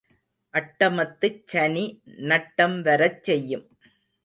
அட்டமத்துச் சனி நட்டம் வரச்செய்யும்.